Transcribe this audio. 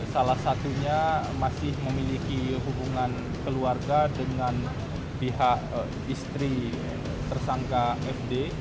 salah satunya masih memiliki hubungan keluarga dengan pihak istri tersangka fd